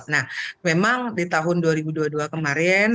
nah memang di tahun dua ribu dua puluh dua kemarin